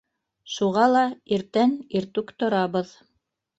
Шуға ла иртән иртүк торабыҙ.